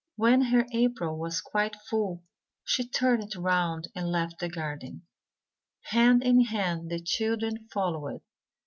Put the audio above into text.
When her apron was quite full, she turned round and left the garden. Hand in hand the children followed.